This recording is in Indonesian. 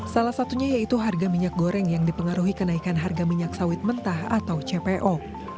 salah satunya yaitu harga minyak goreng yang dipengaruhi kenaikan harga minyak sawit mentah atau cpo